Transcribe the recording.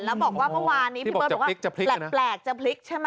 แล้วบอกว่าเมื่อวานนี้พี่เบิร์ตบอกว่าแปลกจะพลิกใช่ไหม